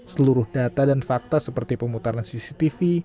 seluruh data dan fakta seperti pemutaran cctv